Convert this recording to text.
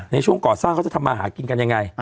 ในช่วงก่อสร้างเขาจะทำมาหากินกันยังไง